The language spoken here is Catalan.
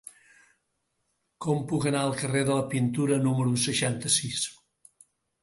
Com puc anar al carrer de la Pintura número seixanta-sis?